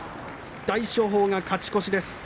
大翔鵬、勝ち越しです。